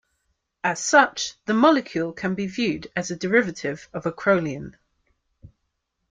As such, the molecule can be viewed as a derivative of acrolein.